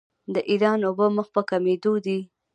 د ایران اوبه مخ په کمیدو دي.